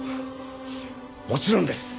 もちろんです。